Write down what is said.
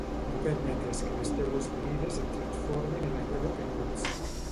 No permetes que les teues ferides et transformen en allò que no ets.